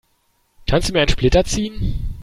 Kannst du mir einen Splitter ziehen?